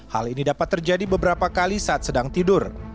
hal ini dapat terjadi beberapa kali saat sedang tidur